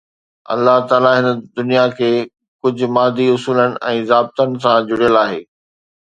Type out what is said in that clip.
الله تعاليٰ هن دنيا کي ڪجهه مادي اصولن ۽ ضابطن سان جڙيل آهي